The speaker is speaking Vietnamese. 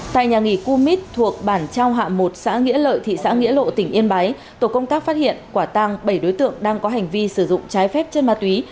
tại nhà nghỉ cumit thuộc bản trao hạ một xã nghĩa lợi thị xã nghĩa lộ tỉnh yên bái tổ công tác phát hiện quả tăng bảy đối tượng đang có hành vi sử dụng trái phép chân ma túy